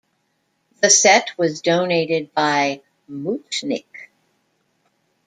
The set was donated by Mutchnick.